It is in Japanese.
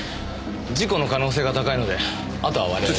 事故の可能性が高いのであとは我々所轄が。